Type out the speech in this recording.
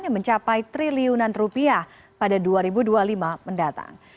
yang mencapai triliunan rupiah pada dua ribu dua puluh lima mendatang